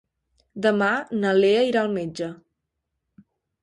Demà na Lea irà al metge.